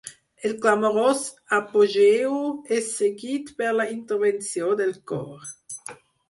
El clamorós apogeu és seguit per la intervenció del cor.